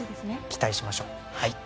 期待しましょう。